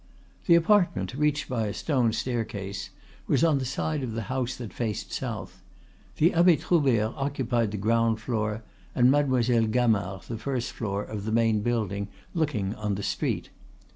The apartment, reached by a stone staircase, was on the side of the house that faced south. The Abbe Troubert occupied the ground floor, and Mademoiselle Gamard the first floor of the main building, looking on the street.